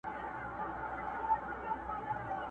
هم په ساندو بدرګه دي هم په اوښکو کي پېچلي!!!!!